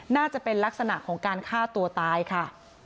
น่าจะเป็นลักษณะของการฆ่าตัวตายค่ะ